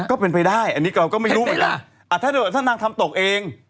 ก็เป็นไปได้อันนี้เราก็ไม่รู้เหมือนกันเป็นไปล่ะอ่าถ้าเถอะถ้านางทำตกเอง